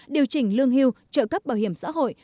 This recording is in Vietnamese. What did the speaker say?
điều chỉnh lương hưu trợ cấp bảo hiểm xã hội